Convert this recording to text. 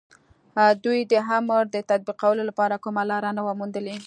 دوی د امر د تطبيقولو لپاره کومه لاره نه وه موندلې.